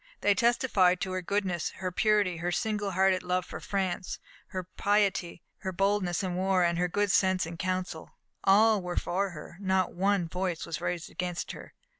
They testified to her goodness, her purity, her single hearted love for France, her piety, her boldness in war, and her good sense in counsel. All were for her not one voice was raised against her.